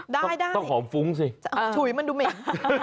ได้ต้องหอมฟุ้งสิฉุยมันดูเหม็น